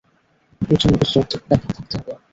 এর জন্য কিছু যৌক্তিক ব্যাখ্যা থাকতে হবে।